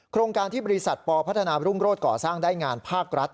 โครงการที่บริษัทปพัฒนารุ่งโรศก่อสร้างได้งานภาครัฐ